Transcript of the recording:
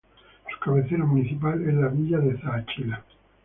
Su cabecera municipal es la Villa de Zaachila.